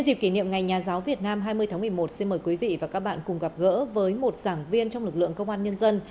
xin mời quý vị và các bạn cùng gặp gỡ với một giảng viên trong lực lượng công an nhân dân